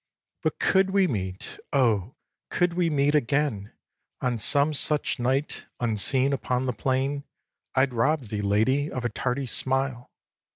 xix. But could we meet, oh! could we meet again On some such night, unseen upon the plain, I'd rob thee, Lady! of a tardy smile.